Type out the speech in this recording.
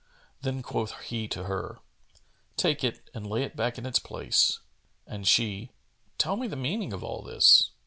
Then quoth he to her, "Take it and lay it back in its place;" and she, "Tell me the meaning of all this."